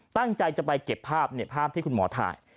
ตั้งใจจะไปเก็บภาพภาพที่คุณหมอถ่าย